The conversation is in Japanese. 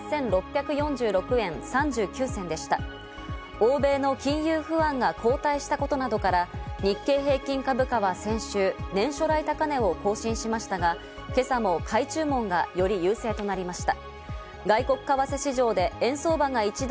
欧米の金融不安が後退したことなどから日経平均株価は先週、年初来高値を更新しましたが、今朝も買い注文がより優勢となりました。